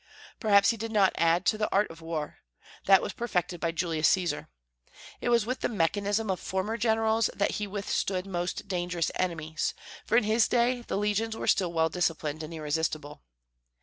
Perhaps he did not add to the art of war; that was perfected by Julius Caesar. It was with the mechanism of former generals that he withstood most dangerous enemies, for in his day the legions were still well disciplined and irresistible.